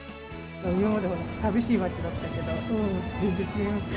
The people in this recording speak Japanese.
今まで寂しい町だったけど、全然違いますよ。